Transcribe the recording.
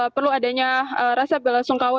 perlu adanya rasa bela sungkawa